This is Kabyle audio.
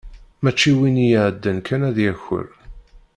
Mačči win iɛeddan kan ad yaker.